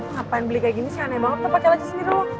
ngapain beli kayak gini sih aneh banget tuh pake aja sendiri lo